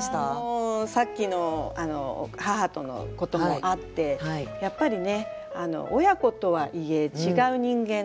もうさっきの母とのこともあってやっぱりね親子とはいえ違う人間だから価値観も違う。